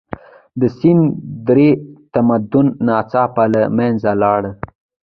د سند درې تمدن ناڅاپه له منځه لاړ.